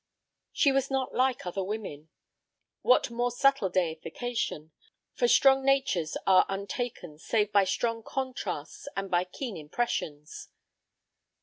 She was not like other women. What more subtle deification! For strong natures are untaken save by strong contrasts and by keen impressions.